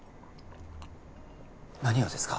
何をですか？